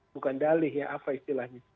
bukan dalih ya apa istilahnya